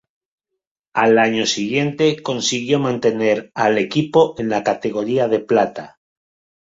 Al año siguiente, consiguió mantener al equipo en la categoría de plata.